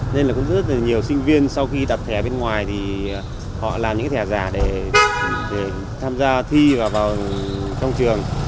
nên là cũng rất là nhiều sinh viên sau khi tập thể bên ngoài thì họ làm những thẻ giả để tham gia thi vào trong trường